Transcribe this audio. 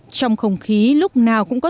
trong không khí lúc nào cũng có